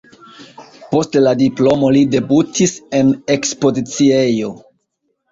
Post la diplomo li debutis en ekspoziciejo.